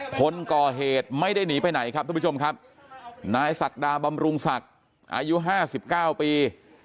คนก่อเหตุไม่ได้หนีไปไหนครับทุกผู้ชมครับนายศักดาบำรุงศักดิ์อายุ๕๙ปี